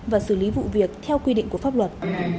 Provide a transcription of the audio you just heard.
và xử lý vụ việc theo quy định của pháp luật